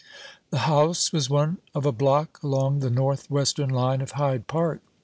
The house was one of a block along the North Western line of Hyde park.